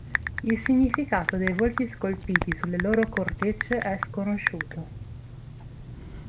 Il significato dei volti scolpiti sulle loro cortecce è sconosciuto.